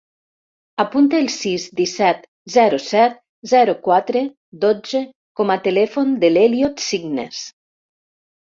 Apunta el sis, disset, zero, set, zero, quatre, dotze com a telèfon de l'Elliot Signes.